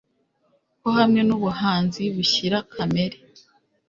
ko hamwe nubuhanzi bushyira kamere